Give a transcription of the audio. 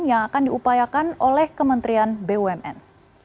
yang akan diupayakan oleh kementerian bumn